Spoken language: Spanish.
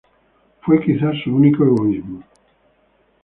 Fue quizás su único egoísmo.